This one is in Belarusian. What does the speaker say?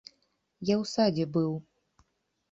Я ў садзе быў.